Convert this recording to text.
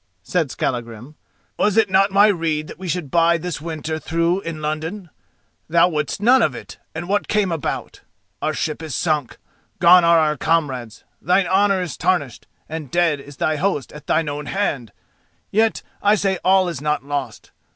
said Skallagrim. "Was it not my rede that we should bide this winter through in London? Thou wouldst none of it, and what came about? Our ship is sunk, gone are our comrades, thine honour is tarnished, and dead is thy host at thine own hand. Yet I say all is not lost.